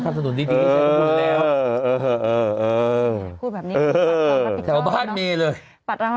เขาทำถนนดีมาให้ใช้ก็บุญแล้วถ้าทำถนนดีจะใช้แล้ว